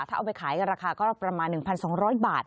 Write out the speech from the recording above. ถ้าเอาไปขายก็ราคาก็ประมาณ๑๒๐๐บาท